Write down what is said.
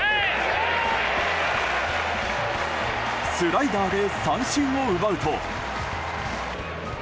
スライダーで三振を奪うと。